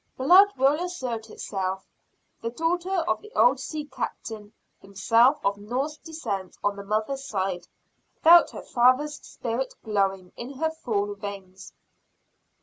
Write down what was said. Blood will assert itself. The daughter of the old sea captain, himself of Norse descent on the mother's side, felt her father's spirit glowing in her full veins.